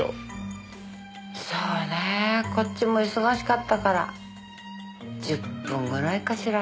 そうねえこっちも忙しかったから１０分ぐらいかしら。